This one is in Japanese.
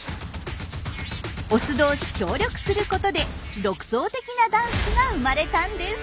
オス同士協力することで独創的なダンスが生まれたんです。